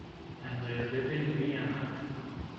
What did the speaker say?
And I live in Vienna.